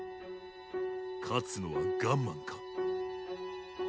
勝つのはガンマンか。